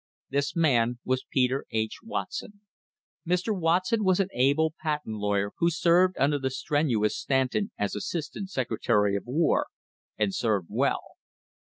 This man was Peter H. Watson. Mr. Watson was an able patent lawyer who served under the strenuous Stanton as an Assistant Secretary of War, and served well.